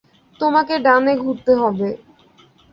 তোকে ডানে ঘুরতে হবে।